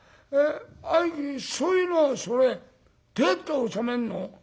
兄貴そういうのそれどうやって収めんの？